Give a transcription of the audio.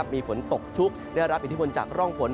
มีฝนตกชุกได้รับอิทธิพลจากร่องฝน